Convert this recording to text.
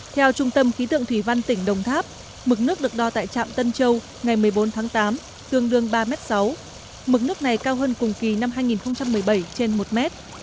theo trung tâm khí tượng thủy văn tỉnh đồng tháp mực nước được đo tại trạm tân châu ngày một mươi bốn tháng tám tương đương ba sáu mực nước này cao hơn cùng kỳ năm hai nghìn một mươi bảy trên một mét